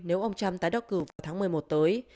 nếu ông trump tái đắc cử vào tháng một mươi một tới